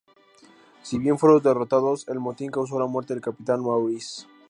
Si bien fueron derrotados, el motín causó la muerte del capitán Maurice.